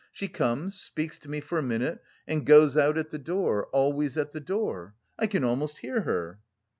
She comes, speaks to me for a minute and goes out at the door always at the door. I can almost hear her."